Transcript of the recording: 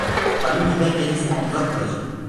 Halbuki ben gene senden uzak kalacağım…